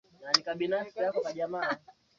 Kitabu chetu ni kizuri sana